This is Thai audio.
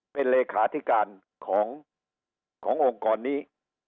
เป็นเลขาธิการขององค์กรนี้